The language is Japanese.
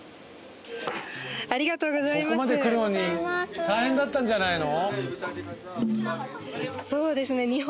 ここまでくるのに大変だったんじゃないの？